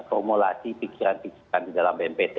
formulasi pikiran pikiran di dalam bnpt